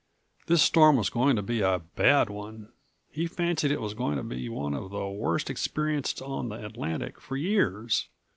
This storm was going to be a bad one. He fancied it was going to be one of the worst experienced on the Atlantic for years.